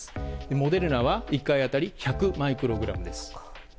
モデルナは１回当たり１００マイクログラムです。